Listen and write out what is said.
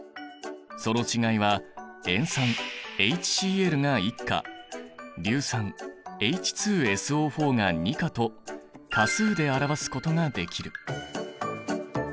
その違いは塩酸ＨＣｌが１価硫酸ＨＳＯが２価と価数で表すことができる。